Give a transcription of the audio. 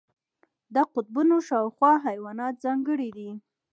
د قطبونو شاوخوا حیوانات ځانګړي دي.